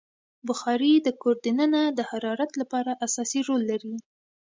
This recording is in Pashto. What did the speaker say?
بخاري د کور دننه د حرارت لپاره اساسي رول لري.